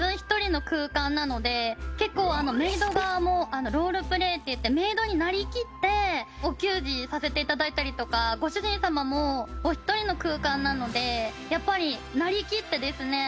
結構メイド側もロールプレイっていってメイドになりきってお給仕させて頂いたりとかご主人様もお一人の空間なのでやっぱりなりきってですね